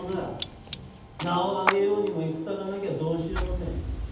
名を上げようにも戦がなきゃどうしようもねえ。